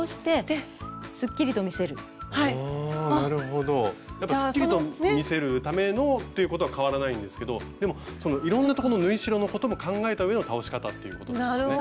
やっぱすっきりと見せるためのっていうことは変わらないんですけどでもいろんなとこの縫い代のことも考えた上の倒し方っていうことなんですね。